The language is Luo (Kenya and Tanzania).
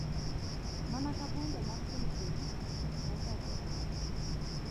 Mana ka bunde mag Tum Tum ma South Afrika.